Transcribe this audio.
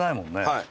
はい。